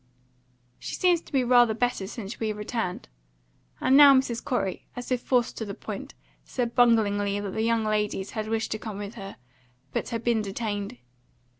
"She seems to be rather better since we returned." And now Mrs. Corey, as if forced to the point, said bunglingly that the young ladies had wished to come with her, but had been detained.